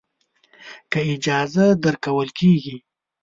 که اجازه درکول کېږي.